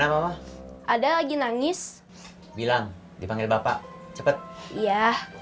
mana ada lagi nangis bilang dipanggil bapak cepet ya